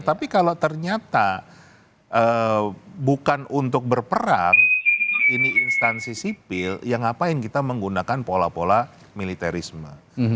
tapi kalau ternyata bukan untuk berperang ini instansi sipil yang ngapain kita menggunakan pola pola militerisme